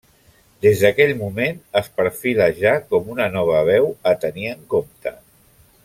Des d'aquell moment es perfila ja com una nova veu a tenir en compte.